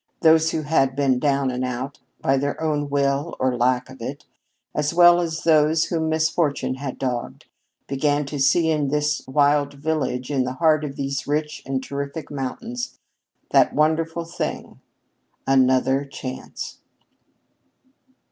Those who had been "down and out" by their own will, or lack of it, as well as those whom misfortune had dogged, began to see in this wild village, in the heart of these rich and terrific mountains, that wonderful thing, "another chance."